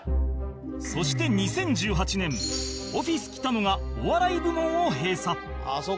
そして２０１８年オフィス北野がお笑い部門を閉鎖